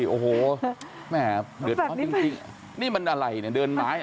โอ้โหแม่เดือดร้อนจริงนี่มันอะไรเนี่ยเดินไม้